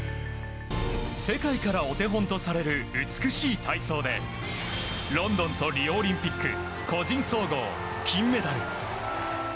世界からお手本とされる美しい体操でロンドンとリオオリンピック個人総合金メダル。